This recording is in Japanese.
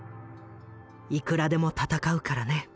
いくらでも戦うからね！